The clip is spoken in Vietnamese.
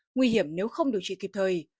nguy hiểm nếu không điều trị kịp thời